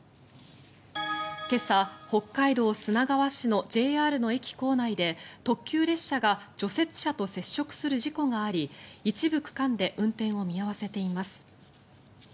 今朝、北海道砂川市のＪＲの駅構内で特急列車が除雪車と接触する事故があり一部区間で運転を見合わせています。